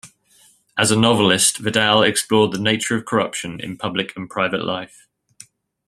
As a novelist Vidal explored the nature of corruption in public and private life.